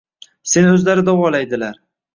Seni o`zlari davolaydilar